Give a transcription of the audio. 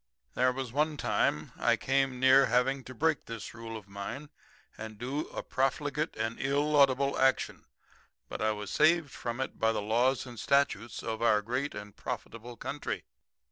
"There was one time I came near having to break this rule of mine and do a profligate and illaudable action, but I was saved from it by the laws and statutes of our great and profitable country.